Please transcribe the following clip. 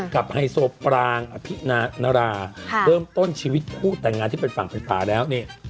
กับไฮโซปรางอภินาราเริ่มต้นชีวิตผู้แต่งงานที่เป็นฝั่งฝั่งฝาแล้ว